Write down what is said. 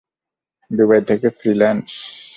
Dubai থেকে freelance.